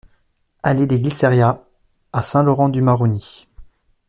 Allée des Glycerias à Saint-Laurent-du-Maroni